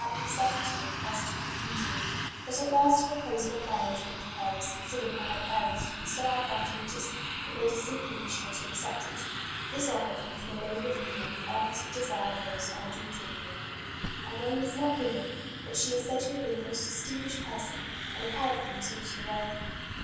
ROSE OF LIMA the necessity of a positive refusal ; but at last a proposal of marriage made for her was con sidered by her parents to be so advantageous that they distinctly wished her to accept it. This offer came from a lady of Lima who earnestly desired Rose for her daughter in law. Her name is not given, but she is said to have been a most distinguished person, and apparently was also wealthy.